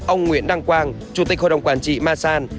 ông nguyễn đăng quang chủ tịch hội đồng quản trị masan